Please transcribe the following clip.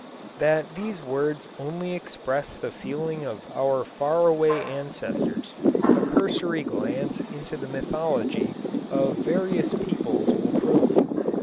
That these words only express the feeling of our far away ancestors, a cursory glance into the mythology of various peoples will prove.